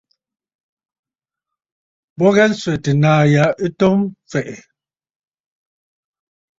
Bɨ ghɛɛ nswɛ̀tə naà ya ɨ to mfɛ̀ʼɛ̀.